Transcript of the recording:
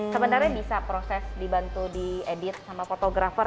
sebenarnya bisa proses dibantu diedit sama fotografer